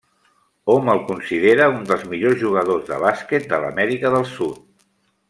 Hom el considera un dels millors jugadors de bàsquet de l'Amèrica del Sud.